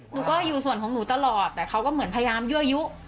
หนูก็อยู่ส่วนของหนูตลอดแต่เขาก็เหมือนพยายามยั่วยุ